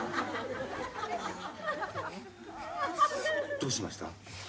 どうしました？